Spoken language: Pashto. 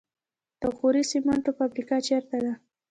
د غوري سمنټو فابریکه چیرته ده؟